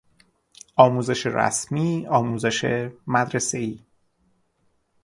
آموزش رسمی، آموزش مدرسهای